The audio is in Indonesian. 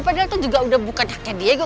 padahal itu juga udah bukan haknya dego